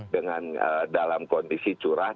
dengan dalam kondisi curah